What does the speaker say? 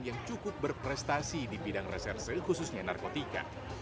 yang cukup berprestasi di bidang reserse khususnya narkotika